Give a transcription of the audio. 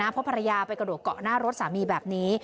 เพราะภรรยาไปกระโดดเกาะหน้ารถสามีแบบนี้